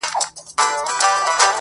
تا د جنگ لويه فلـسفه ماتــه كــړه~